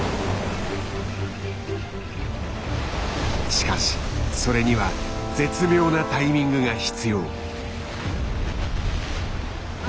しかしそれには絶妙なタイミングが必要。